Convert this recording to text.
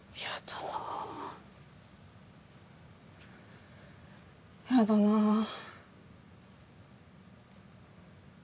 やだなあ